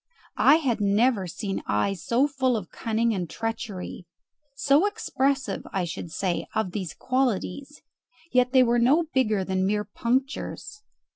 I had never seen eyes so full of cunning and treachery so expressive, I should say, of these qualities; yet they were no bigger than mere punctures.